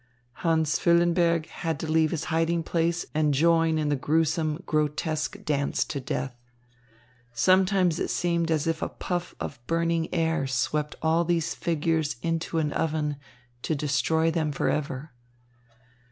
Hans Füllenberg had to leave his hiding place and join in the gruesome, grotesque dance to death. Sometimes it seemed as if a puff of burning air swept all these figures into an oven to destroy them forever.